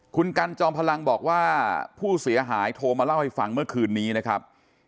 คุณกันจอมพลังบอกว่าผู้เสียหายโทรมาเล่าให้ฟังเมื่อคืนนี้นะครับ